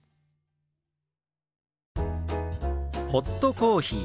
「ホットコーヒー」。